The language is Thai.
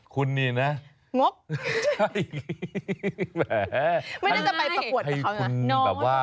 คุณนี่นะ